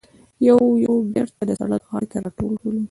یو یو بېرته د سړک غاړې ته راټول شولو.